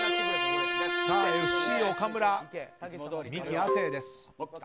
ＦＣ岡村、ミキ亜生です。